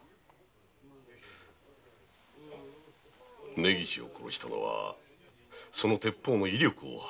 根岸を殺したのはその鉄砲の威力を計る試し撃ち？